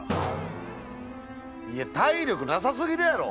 いや体力なさすぎるやろ！